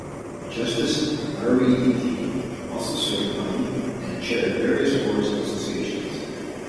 Justice Aryeetey also served on and chaired various boards and associations.